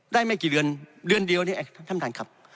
ได้ไม่กี่เดือนเดือนเดียวนี้ครับท่านท่านครับ